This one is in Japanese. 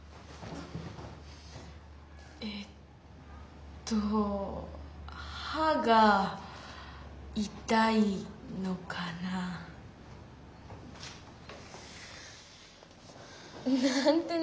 えっとはがいたいのかな？なんてね。